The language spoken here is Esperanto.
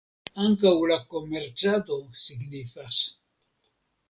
Ankaŭ la komercado signifas.